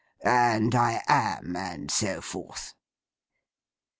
And I am,' and so forth.